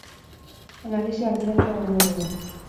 Analisi arduratsua egingo dugu.